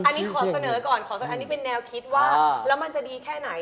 อันนี้ขอเสนอก่อนขอเสนออันนี้เป็นแนวคิดว่าแล้วมันจะดีแค่ไหน